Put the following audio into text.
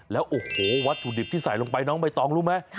แล้วโอ้โหวัตถุดิบที่ใส่ลงไปน้องใบตองรู้ไหม